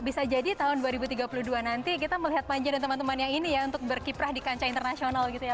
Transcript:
bisa jadi tahun dua ribu tiga puluh dua nanti kita melihat panja dan teman teman yang ini ya untuk berkiprah di kancah internasional gitu ya